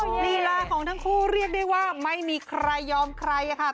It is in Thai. ลีลาของทั้งคู่เรียกได้ว่าไม่มีใครยอมใครค่ะ